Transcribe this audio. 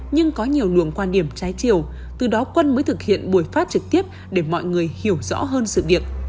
nhưng có nhiều luồng quan điểm trái chiều từ đó quân mới thực hiện buổi phát trực tiếp để mọi người hiểu rõ hơn sự việc